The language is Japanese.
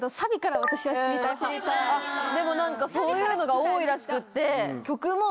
でも何かそういうのが多いらしくって。